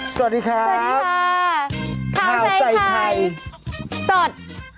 สวัสดีครับสวัสดีค่ะข้าวใส่ไข่สด